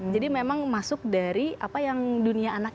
jadi memang masuk dari apa yang dunia anak itu